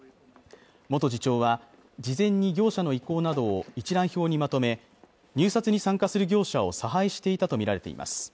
元次長は事前に業者の意向などを一覧表にまとめ入札に参加する業者を差配していたとみられています